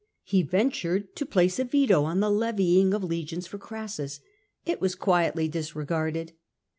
He ventured to place a veto on the levying of legions for Crassus : it was quietly disregarded.